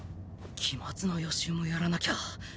期末の予習もやらなきゃ。